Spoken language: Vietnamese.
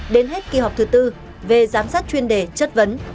đến hết kỳ họp thứ tư về giám sát chuyên đề chất vấn